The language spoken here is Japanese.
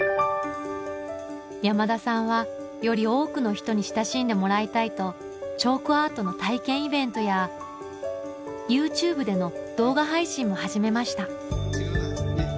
山田さんはより多くの人に親しんでもらいたいとチョークアートの体験イベントやＹｏｕＴｕｂｅでの動画配信も始めました